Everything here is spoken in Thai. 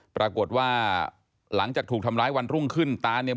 ปรากฏว่าหลังจากถูกทำร้ายวันรุ่งขึ้นตาเนี่ย